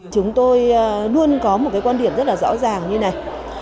chúng tôi luôn có một cái quan điểm rất là rõ ràng như này